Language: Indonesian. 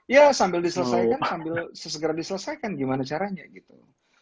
ya sambil diselesaikan sambil sesegera diselesaikan gimana caranya gitu